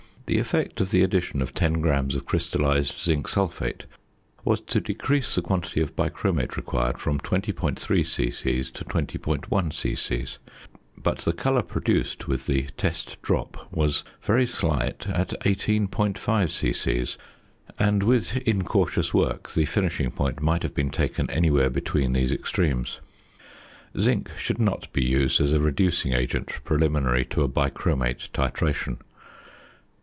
~ The effect of the addition of 10 grams of crystallized zinc sulphate was to decrease the quantity of "bichromate" required from 20.3 c.c. to 20.1 c.c., but the colour produced with the test drop was very slight at 18.5 c.c., and with incautious work the finishing point might have been taken anywhere between these extremes. Zinc should not be used as a reducing agent preliminary to a "bichromate" titration.